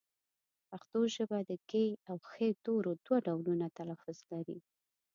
پښتو ژبه د ږ او ښ تورو دوه ډولونه تلفظ لري